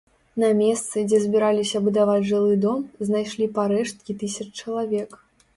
На месцы, дзе збіраліся будаваць жылы дом, знайшлі парэшткі тысяч чалавек.